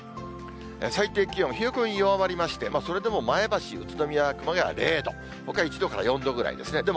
最低気温、冷え込み弱まりまして、それでも前橋、宇都宮、熊谷０度、ほか１度から４度ぐらいですね。